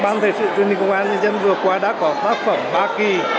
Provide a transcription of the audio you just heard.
ban thể sự truyền hình công an nhân dân vừa qua đã có tác phẩm ba kỳ